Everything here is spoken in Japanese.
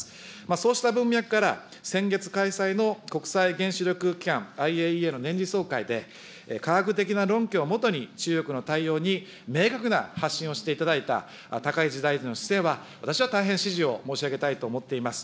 そうした文脈から、先月開催の国際原子力機関・ＩＡＥＡの年次総会で、科学的な論拠をもとに、中国の対応に明確な発信をしていただいた高市大臣の姿勢は、私は大変支持を申し上げたいと思っています。